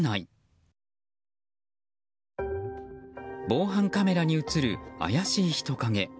防犯カメラに映る怪しい人影。